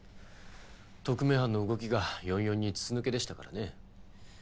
特命班の動きが４４に筒抜けでしたからね。